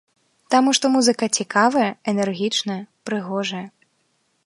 Таму што музыка цікавая, энергічная, прыгожая.